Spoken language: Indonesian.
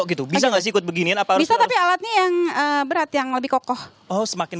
gitu bisa nggak sih ikut beginian apa bisa tapi alatnya yang berat yang lebih kokoh oh semakin